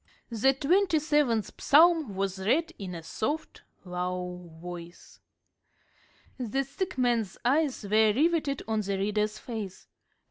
The twenty seventh Psalm was read in a soft, low voice. The sick man's eyes were riveted on the reader's face.